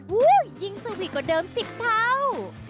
ยิ่งสวีทกว่าเดิม๑๐เท่า